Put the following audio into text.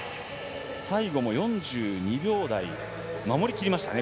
最後も４２秒台守りきりましたね。